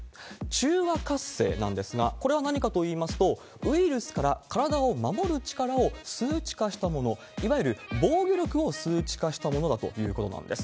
中和活性なんですが、これは何かといいますと、ウイルスから体を守る力を数値化したもの、いわゆる防御力を数値化したものだということなんです。